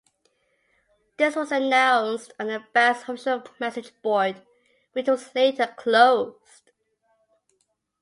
This was announced on the band's official message board, which was later closed.